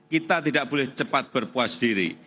kita tidak boleh cepat berpuas diri